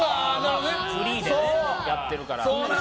フリーでやってるから。